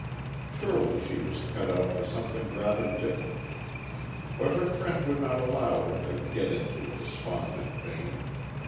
Surely she was cut out for something rather different. But her friend would not allow her to get into a despondent vein.